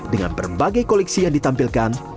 dengan berbagai koleksi yang ditampilkan